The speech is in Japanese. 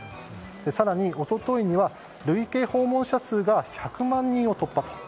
更に、一昨日には累計訪問者数が１００万人を突破と。